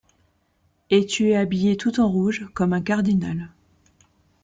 Et tu es habillé tout en rouge comme un cardinal.